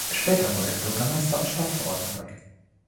Später wurde er Bürgermeister und Stadtverordneter.